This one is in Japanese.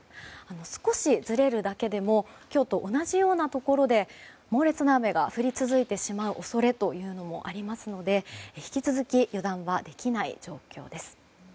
少しずれるだけでも今日と同じようなところで猛烈な雨が降り続いてしまう恐れもありますので引き続き油断はできない状況です。